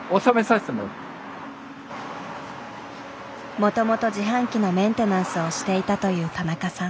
もともと自販機のメンテナンスをしていたという田中さん。